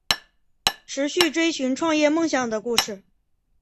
持续追寻创业梦想的故事